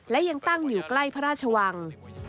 และยังตั้งอยู่ใกล้พระราชวัง